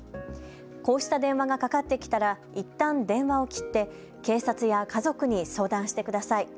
こうした電話がかかってきたらいったん電話を切って警察や家族に相談してください。